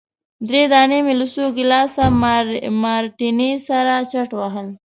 درې دانې مي له څو ګیلاسه مارټیني سره چټ وهل.